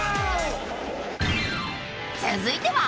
［続いては］